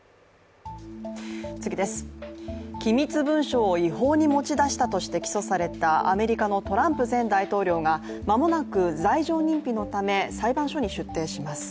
機密文書を違法に持ち出したとして起訴されたアメリカのトランプ前大統領が、まもなく罪状認否のため裁判所に出廷します。